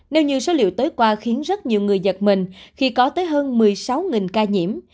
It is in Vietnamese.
nếu như số liệu tới qua khiến rất nhiều người giật mình khi có tới hơn một mươi sáu ca nhiễm